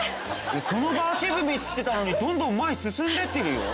その場足踏みって言ってたのにどんどん前進んでってるよ。